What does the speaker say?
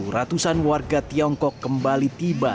ratusan warga tiongkok kembali tiba